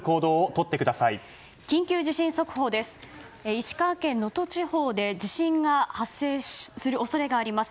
石川県能登地方で地震が発生する恐れがあります。